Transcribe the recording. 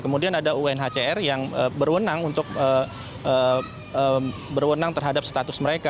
kemudian ada unhcr yang berwenang untuk berwenang terhadap status mereka